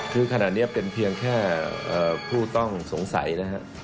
คือขณะนี้เป็นเพียงแค่ผู้ต้องสงสัยนะครับ